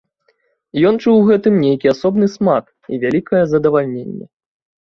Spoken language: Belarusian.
Ён чуў у гэтым нейкі асобны смак і вялікае задавальненне.